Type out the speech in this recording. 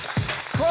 さあ